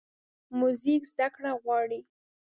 موزیک زدهکړه غواړي.